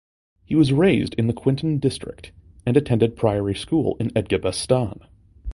He was raised in the Quinton district and attended Priory School in Edgbaston.